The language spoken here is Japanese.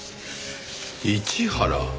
市原？